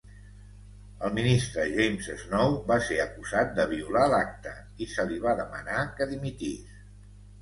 El ministre James Snow va ser acusat de violar l'acte i se li va demanar que dimitís.